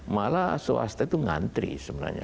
malah swasta itu ngantri sebenarnya